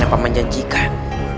yang paman janjikan